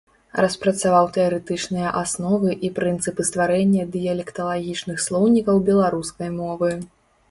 Распрацаваў тэарэтычныя асновы і прынцыпы стварэння дыялекталагічных слоўнікаў беларускай мовы.